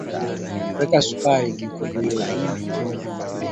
Weka sukari vijiko viwili